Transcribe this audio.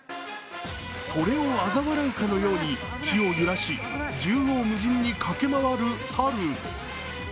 それをあざ笑うかのように、木を揺らし、縦横無尽に駆け回る猿。